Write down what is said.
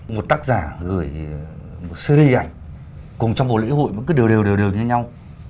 một tác giả gửi một series ảnh cùng trong bộ lễ hội mà cứ đều đều như nhau